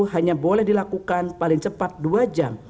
hanya boleh dilakukan paling cepat dua jam